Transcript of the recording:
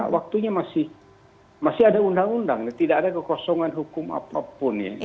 waktunya masih ada undang undang tidak ada kekosongan hukum apapun ya